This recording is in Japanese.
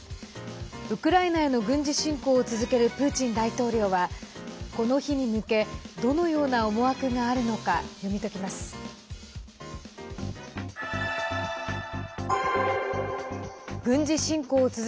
ウクライナへの軍事侵攻を続けるプーチン大統領はこの日に向けどのような思惑があるのか読み解きます。